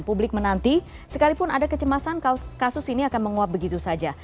publik menanti sekalipun ada kecemasan kasus ini akan menguap begitu saja